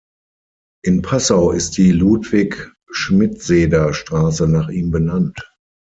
In Passau ist die Ludwig-Schmidseder-Straße nach ihm benannt.